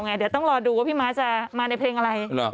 ไหมเทียนต้องรอดูว่าม้าพี่จะมาในเพลงอะไร